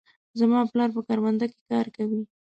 زما پلار په کروندې کې کار کوي.